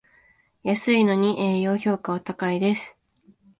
安いのに栄養価は高いです